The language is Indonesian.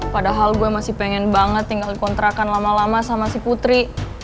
padahal gue masih pengen banget tinggal kontrakan lama lama sama si putri